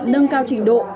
nâng cao trình độ